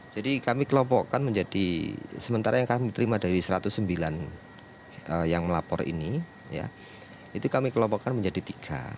jadi kami kelompokkan menjadi sementara yang kami terima dari satu ratus sembilan yang melapor ini itu kami kelompokkan menjadi tiga